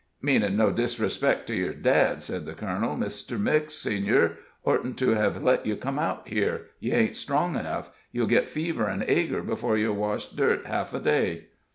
"Meanin' no disrespect to your dad," said the colonel, "Mr. Mix, Senior, ortn't to hev let you come out here you ain't strong enough you'll git fever 'n ager 'fore you've washed dirt half a day."